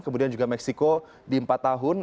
kemudian juga meksiko di empat tahun